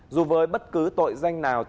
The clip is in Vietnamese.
dù với bất cứ tội danh nào